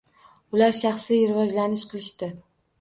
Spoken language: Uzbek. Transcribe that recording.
Ular shaxsiy rivojlanish qilishdi.